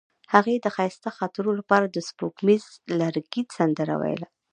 هغې د ښایسته خاطرو لپاره د سپوږمیز لرګی سندره ویله.